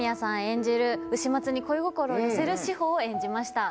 演じる丑松に恋心を寄せる志保を演じました。